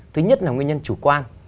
thứ nhất là nguyên nhân chủ quan